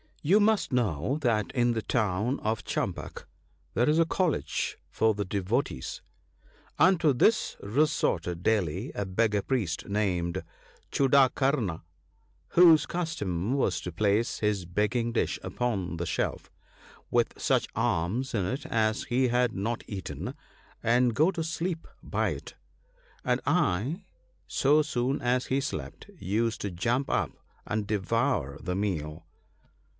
* You must know that in the town of Champaka there is a college for the devotees. Unto this resorted daily a beggar priest, named Chudakarna, whose custom was to place his begging dish upon the shelf, with such alms in it as he had not eaten, and go to sleep by it ; and I, so soon as he slept, used to jump up, and devour the meal.